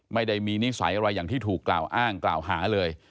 ไม่ได้มีนิสัยอะไรอย่างที่ถูกกล่าวอ้างกล่าวหาเลย